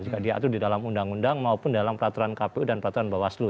juga diatur di dalam undang undang maupun dalam peraturan kpu dan peraturan bawaslu